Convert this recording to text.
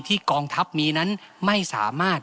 กองทัพมีนั้นไม่สามารถ